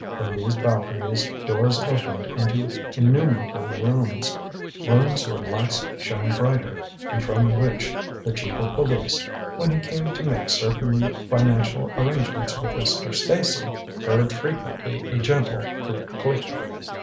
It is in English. From these balconies doors opened into innumerable rooms rooms where lights shone brighter, and from which the chief of police, when he came to make certain financial arrangements with Mr. Stacy, heard frequently a gentle click click.